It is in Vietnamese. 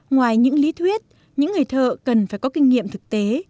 ngoài những lý thuyết những người thợ cần phải có kinh nghiệm thực tế